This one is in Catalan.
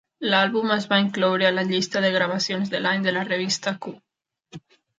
L'àlbum es va incloure a la llista de gravacions de l'any de la revista "Q".